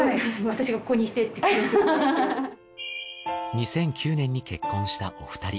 ２００９年に結婚したお二人。